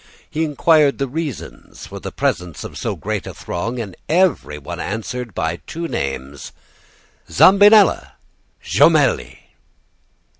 He inquired the reasons for the presence of so great a throng, and every one answered by two names: "'Zambinella! Jomelli!